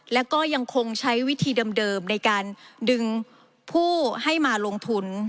แล้วก็ยังคงใช้วิธีเดิมในการดึงผู้ให้มาลงทุน